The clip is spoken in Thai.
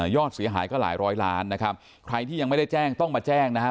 อดเสียหายก็หลายร้อยล้านนะครับใครที่ยังไม่ได้แจ้งต้องมาแจ้งนะครับ